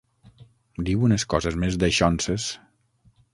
Diu unes coses més daixonses.